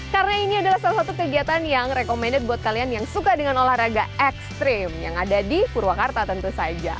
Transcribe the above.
karena ini adalah salah satu kegiatan yang recommended buat kalian yang suka dengan olahraga ekstrim yang ada di purwakarta tentu saja